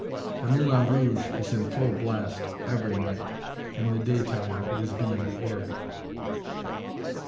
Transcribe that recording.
The "Moulin Rouge" is in full blast every night; in the day time it is being aired.